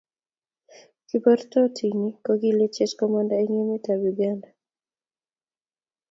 kibortotinik kokikilech komanda eng emetab uganda